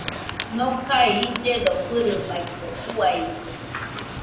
Nokae illedo fɨirɨbaite, uiade